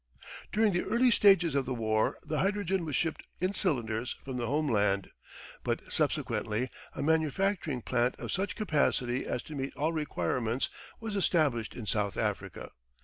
During the early stages of the war the hydrogen was shipped in cylinders from the homeland, but subsequently a manufacturing plant of such capacity as to meet all requirements was established in South Africa.